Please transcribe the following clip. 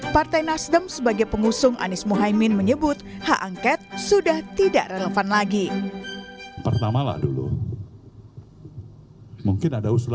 partai nasdem sebagai pengusung anies mohaimin menyebut hak angket sudah tidak relevan lagi